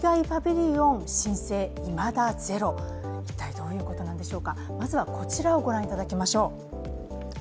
どういうことなんでしょうか、まずはこちらをご覧いただきましょう。